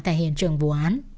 tại hiện trường vụ án